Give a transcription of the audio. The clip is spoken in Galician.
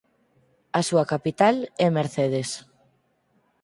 A súa capital é Mercedes.